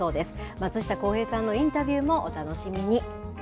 松下洸平さんのインタビューもお楽しみに。